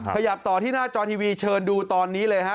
ขยับต่อที่หน้าจอทีวีเชิญดูตอนนี้เลยฮะ